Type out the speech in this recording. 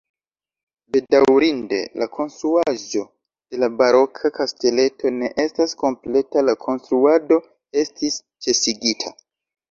Bedaŭrinde la konstruaĵo de la baroka kasteleto ne estas kompleta, la konstruado estis ĉesigita.